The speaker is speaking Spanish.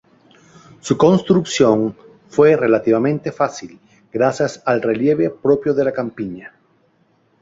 Su construcción fue relativamente fácil gracias al relieve propio de la Campiña.